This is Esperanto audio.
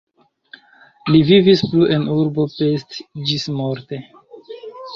Li vivis plu en urbo Pest ĝismorte.